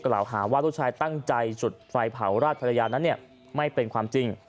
กล่าวหาว่าลูกชายตั้งใจจุดไฟเผาราชภรรยานั้นไม่เป็นความจริง